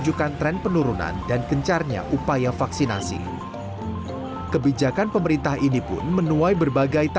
jadi kayak awal awalnya bukan terbiasa saja jadi terbiasa pakai masker dan lebih nyaman saja sih